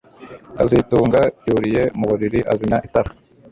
kazitunga yuriye mu buriri azimya itara